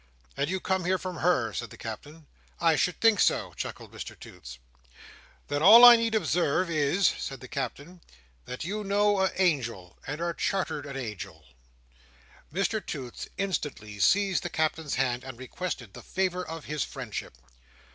"And you come here from her?" said the Captain. "I should think so," chuckled Mr Toots. "Then all I need observe, is," said the Captain, "that you know a angel, and are chartered a angel." Mr Toots instantly seized the Captain's hand, and requested the favour of his friendship.